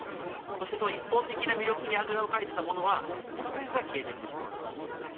そして、その一方的な魅力にあぐらをかいていたものはもしかしたら消えていってしまうのかもしれない。